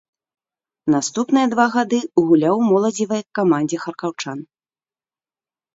Наступныя два гады гуляў у моладзевай камандзе харкаўчан.